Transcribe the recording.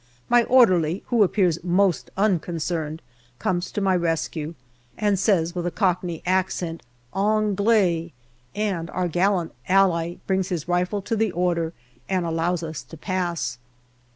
My orderly, who appears most unconcerned, comes to my rescue and says with a Cockney accent " Ongley," and our gallant ally brings his rifle to the order and allows us to pass.